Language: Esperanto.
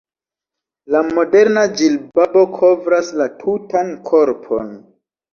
La moderna ĝilbabo kovras la tutan korpon.